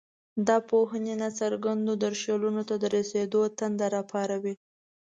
دا پوهنې ناڅرګندو درشلونو ته د رسېدلو تنده راپاروي.